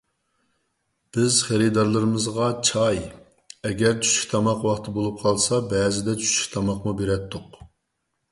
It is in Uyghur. بىز خېرىدارلىرىمىزغا چاي، ئەگەر چۈشلۈك تاماق ۋاقتى بولۇپ قالسا، بەزىدە چۈشلۈك تاماقمۇ بېرەتتۇق.